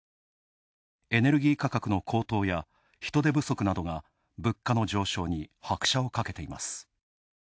エネルギー価格の高騰や人手不足などが物価の上昇に拍車をかけています。